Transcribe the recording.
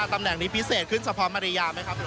ตำแหน่งนี้พิเศษขึ้นเฉพาะมาริยาไหมครับผม